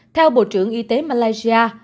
theo bộ trưởng y tế malaysia